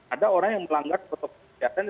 ada orang yang melanggar protokol kesehatan